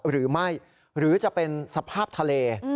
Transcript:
หรือไม่หรือจะเป็นสภาพทะเล